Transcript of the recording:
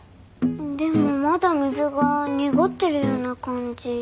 でもまだ水が濁ってるような感じ。